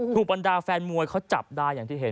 บรรดาแฟนมวยเขาจับได้อย่างที่เห็น